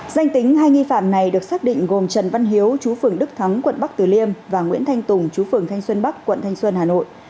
danh tính hai nghi phạm này được xác định gồm trần văn hiếu chú phường đức thắng quận bắc tử liêm và nguyễn thanh tùng chú phường thanh xuân bắc quận thanh xuân hà nội